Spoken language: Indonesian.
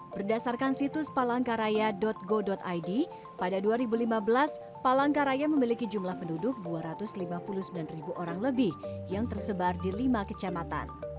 berdasarkan situs palangkaraya go id pada dua ribu lima belas palangkaraya memiliki jumlah penduduk dua ratus lima puluh sembilan ribu orang lebih yang tersebar di lima kecamatan